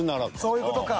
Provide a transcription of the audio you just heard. そういう事か。